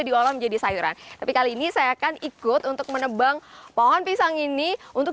diolah menjadi sayuran tapi kali ini saya akan ikut untuk menebang pohon pisang ini untuk